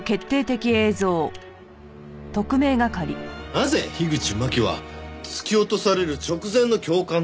なぜ樋口真紀は突き落とされる直前の教官と会っていたのか。